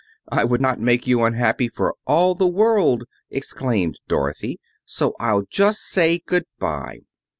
"I would not make you unhappy for all the world!" exclaimed Dorothy. "So I'll just say good bye."